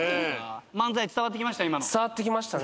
伝わってきましたね。